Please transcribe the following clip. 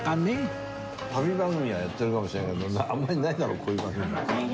旅番組はやってるかもしれないけどあんまりないだろこういう番組。